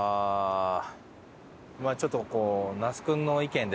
まあちょっとこう。